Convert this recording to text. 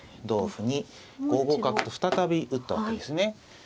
同歩に５五角と再び打ったわけですね。